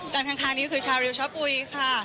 ด้านข้างนี้คือชาริวชะปุ๋ยค่ะ